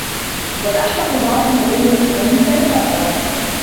وَالْأَحْمَقُ ضَالٌّ مُضِلٌّ إنْ أُونِسَ تَكَبَّرَ